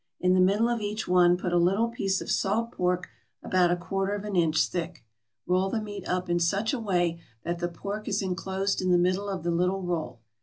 In the middle of each one put a little piece of salt pork about a quarter of an inch thick. Roll the meat up in such a way that the pork is inclosed in the middle of the little roll.